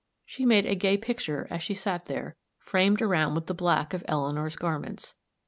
She made a gay picture as she sat there, framed around with the black of Eleanor's garments.